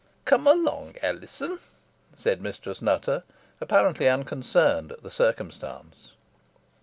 "Come along, Alizon," said Mistress Nutter, apparently unconcerned at the circumstance.